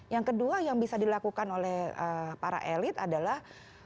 yang kedua yang bisa dilakukan oleh para elit adalah